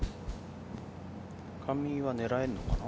上井は狙えるのかな？